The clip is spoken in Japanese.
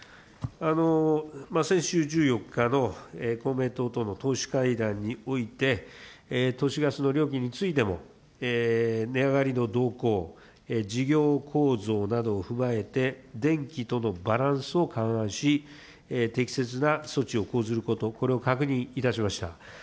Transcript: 先週１４日の公明党との党首会談において、都市ガスの料金についても、値上がりの動向、事業構造などを踏まえて電気とのバランスを勘案し、適切な措置を講ずること、これを確認いたしました。